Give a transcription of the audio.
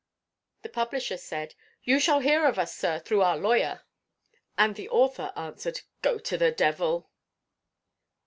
The publisher said: "You shall hear of us, sir, through our lawyer." And the author answered: "Go to the devil!"